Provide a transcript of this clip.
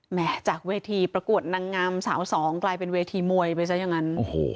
จากเวทีประกวดนางงามสาวสองกลายเป็นเวทีมวยไปซะอย่างนั้น